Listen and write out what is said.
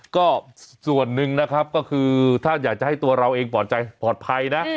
ก็ส่วนหนึ่งนะครับก็คือถ้าอยากจะให้ตัวเราเองปลอดภัยนะ